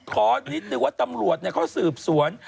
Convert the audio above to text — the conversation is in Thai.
ขอนิดนึงว่าตำรวจเขาสืบสวน